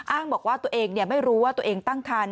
อ้างบอกว่าตัวเองไม่รู้ว่าตัวเองตั้งคัน